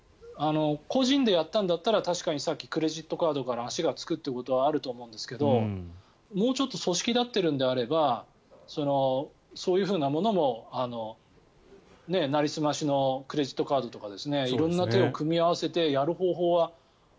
個人でやったんだったら確かにさっきクレジットカードから足がつくっていうことはあると思うんですがもうちょっと組織立っているのであればそういうものもなりすましのクレジットカードとか色んな手を組み合わせてやる方法は。